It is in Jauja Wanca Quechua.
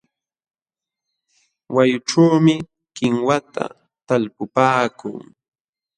Wayqućhuumi kinwata talpupaakuu.